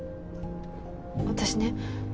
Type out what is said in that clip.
私ね